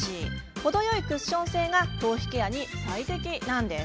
程よいクッション性が頭皮ケアに最適なんです。